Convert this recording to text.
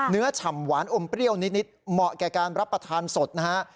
ฉ่ำหวานอมเปรี้ยวนิดเหมาะแก่การรับประทานสดนะฮะ